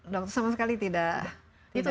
dokter sama sekali tidak